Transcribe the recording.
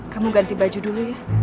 kamu ganti baju dulu ya